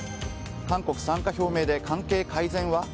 韓国参加表明で関係改善は？